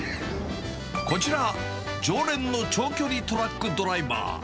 こちら、常連の長距離トラックドライバー。